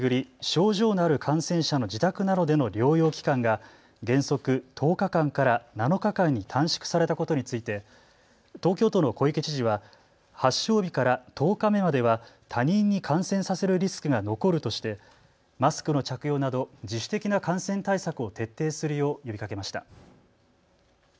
症状のある感染者の自宅などでの療養期間が原則１０日間から７日間に短縮されたことについて東京都の小池知事は発症日から１０日目までは他人に感染させるリスクが残るとしてマスクの着用など自主的な感染対策を徹底するよう呼びかけました。